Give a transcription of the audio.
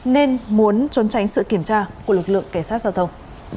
nên muốn trốn tránh sự kiểm tra của lực lượng cảnh sát giao thông